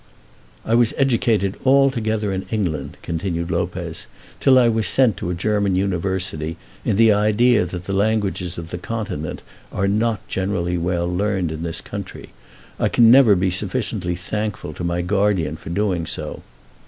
"I was educated altogether in England," continued Lopez, "till I was sent to a German university in the idea that the languages of the continent are not generally well learned in this country. I can never be sufficiently thankful to my guardian for doing so."